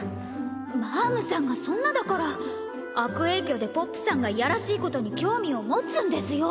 マァムさんがそんなだから悪影響でポップさんがいやらしいことに興味を持つんですよ。